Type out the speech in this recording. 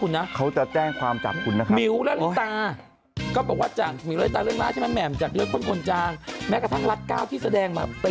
แหม่มจากเลือดคนคนจางทั้ง